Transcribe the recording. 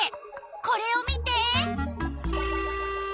これを見て！